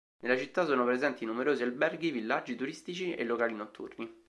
Nella città sono presenti numerosi alberghi, villaggi turistici e locali notturni.